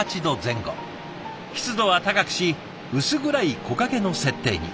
湿度は高くし薄暗い木陰の設定に。